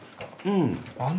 うん。